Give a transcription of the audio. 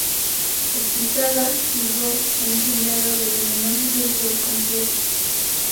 Hechizada sigo el sendero de luminosos círculos complejos.